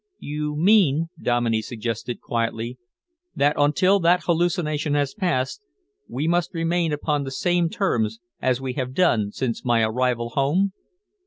"You mean," Dominey suggested quietly, "that until that hallucination has passed we must remain upon the same terms as we have done since my arrival home."